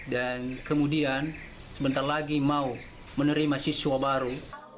dan kemudian sebentar lagi mau menerima siswa baru